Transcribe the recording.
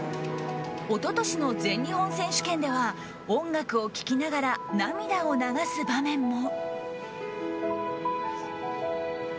一昨年の全日本選手権では音楽を聴きながら涙を流す場面も。